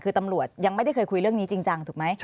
คือตำรวจยังไม่ได้เคยคุยเรื่องนี้จริงจังถูกไหม